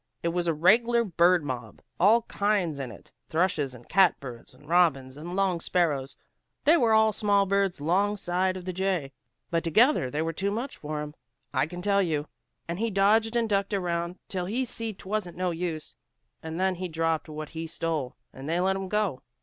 It was a reg'lar bird mob, all kinds in it, thrushes and cat birds, and robins, and song sparrows. They were all small birds 'longside of the jay, but together they were too much for him, I can tell you. And he dodged and ducked around till he see 'twasn't no use, and then he dropped what he'd stole and they let him go."